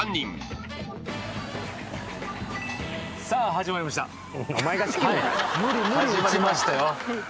始まりましたよ。